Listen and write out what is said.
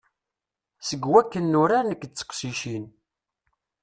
Seg wakken nurar nekk d teqcicin.